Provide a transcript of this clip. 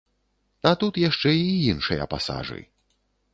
А тут яшчэ і іншыя пасажы.